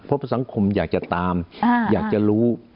เพราะสังคมอยากจะตามอยากจะรู้